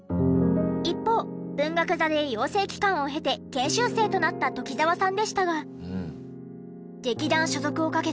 一方文学座で養成期間を経て研修生となった鴇澤さんでしたが。